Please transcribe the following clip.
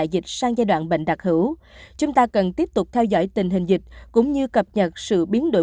dịch sang giai đoạn bệnh đặc hữu chúng ta cần tiếp tục theo dõi tình hình dịch cũng như cập nhật sự biến đổi